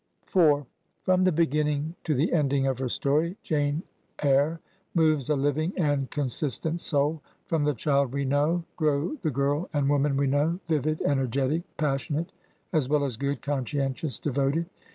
IV From the beginning to the ending of her story, Jane Eyre moves a living and consistent soul ; from the child we know grow the girl and woman we know, vivid, energic, passionate, as well as good, conscientious, de voted.